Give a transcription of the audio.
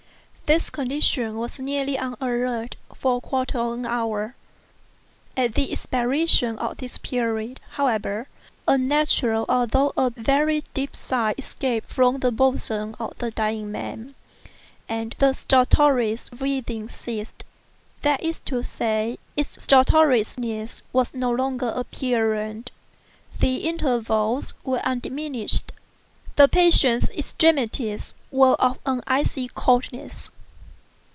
This condition was nearly unaltered for a quarter of an hour. At the expiration of this period, however, a natural although a very deep sigh escaped the bosom of the dying man, and the stertorous breathing ceased—that is to say, its stertorousness was no longer apparent; the intervals were undiminished. The patient's extremities were of an icy coldness.